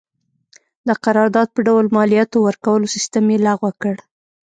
د قرارداد په ډول مالیاتو ورکولو سیستم یې لغوه کړ.